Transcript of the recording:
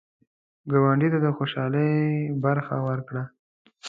ګاونډي ته د خوشحالۍ برخه ورکړه